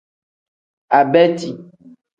Abeti.